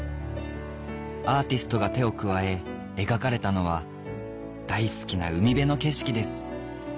アーティストが手を加え描かれたのは大好きな海辺の景色です